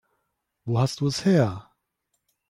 Wo hast du es her?